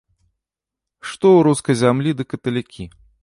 Што ў рускай зямлі ды каталікі!